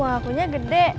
wah waktunya gede